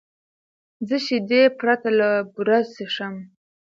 زه شیدې پرته له بوره څښم.